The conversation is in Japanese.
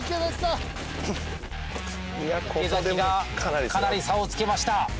池崎がかなり差をつけました。